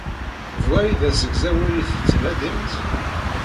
D wa i d asegzawal i tettnadimt?